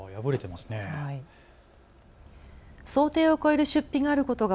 想定を超える出費があることが